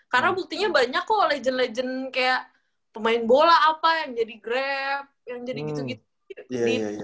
karena buktinya banyak kok legend legend kayak pemain bola apa yang jadi grab yang jadi gitu gitu